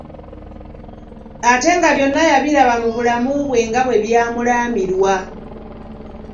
Ate nga byonna yabiraba mu bulamu bwe nga bwe byamulaamirwa.